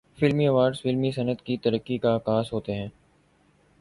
فلمی ایوارڈز فلمی صنعت کی ترقی کا عکاس ہوتے ہیں۔